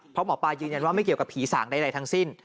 เพราะหมอปลายืนยันว่าไม่เกี่ยวกับผีสางใดทั้งสิ้น